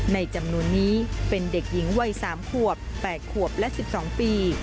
ในจำนวนนี้เป็นเด็กหญิงวัย๓ขวบ๘ขวบและ๑๒ปี